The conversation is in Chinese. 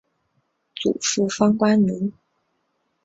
祖父方关奴。